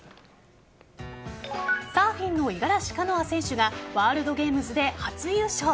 サーフィンの五十嵐カノア選手がワールドゲームズで初優勝。